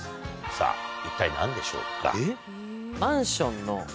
さぁ一体何でしょうか？